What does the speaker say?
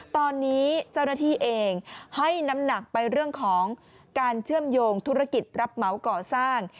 ตอนนี้เจ้าหน้าที่เองให้น้ำหนักไปเรื่องของการเชื่อมโยงธุรกิจรับเหมาก่อสร้าง